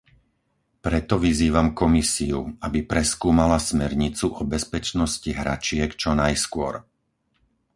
Preto vyzývam Komisiu, aby preskúmala smernicu o bezpečnosti hračiek čo najskôr.